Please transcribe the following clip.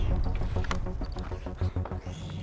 lu gak mungkin hajar lu abis abisan kayak gini